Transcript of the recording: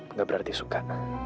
nggak berarti suka